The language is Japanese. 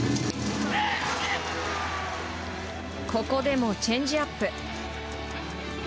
ここでもチェンジアップ。